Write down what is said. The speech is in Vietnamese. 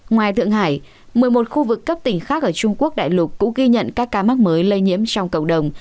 ngoài thượng hải một mươi một khu vực cấp tỉnh khác ở trung quốc đại lục cũng ghi nhận các ca mắc mới lây nhiễm trong cộng đồng